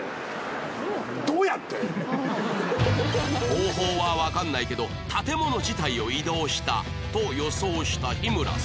方法はわかんないけど建物自体を移動したと予想した日村さん